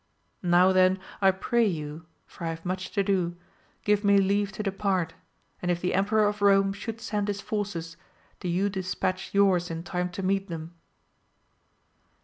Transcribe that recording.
Now then I pray you, for I have much to do, give me leave to depart, and if the Emperor of Rome should send his forces, do you dispatch yours in time to meet them.